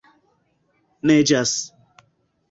Neĝas.